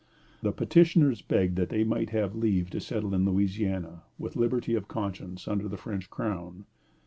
The petitioners begged that they might have leave to settle in Louisiana, with liberty of conscience, under the French Crown.